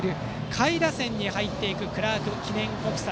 下位打線に入っていくクラーク記念国際。